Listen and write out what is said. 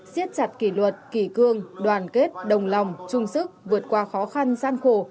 xiết chặt kỷ luật kỷ cương đoàn kết đồng lòng chung sức vượt qua khó khăn gian khổ